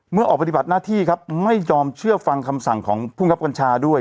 ออกปฏิบัติหน้าที่ครับไม่ยอมเชื่อฟังคำสั่งของภูมิครับกัญชาด้วย